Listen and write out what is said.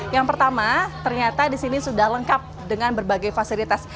yang pertama ternyata di sini sudah lengkap dengan berbagai fasilitas